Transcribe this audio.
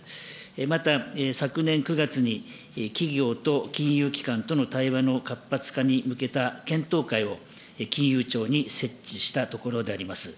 また、昨年９月に企業と金融機関との対話の活発化に向けた検討会を金融庁に設置したところであります。